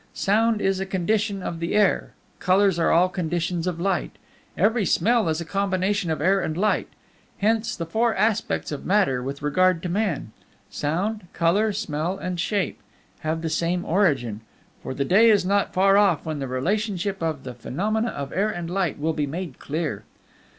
Sound is a condition of the air; colors are all conditions of light; every smell is a combination of air and light; hence the four aspects of Matter with regard to Man sound, color, smell, and shape have the same origin, for the day is not far off when the relationship of the phenomena of air and light will be made clear.